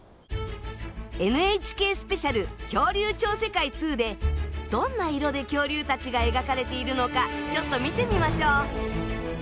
「ＮＨＫスペシャル恐竜超世界２」でどんな色で恐竜たちが描かれているのかちょっと見てみましょう。